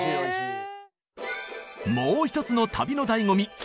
もう一つの旅の醍醐味